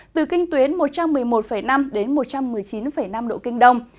từ kinh tuyến một trăm một mươi một năm đến một trăm một mươi chín năm độ kinh đông